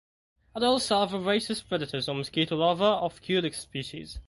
Adults are voracious predators on mosquito larva of "Culex" species.